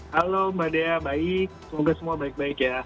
halo mbak dea baik semoga semua baik baik ya